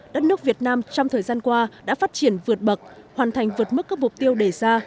đất nước việt nam trong thời gian qua đã phát triển vượt bậc hoàn thành vượt mức các mục tiêu đề ra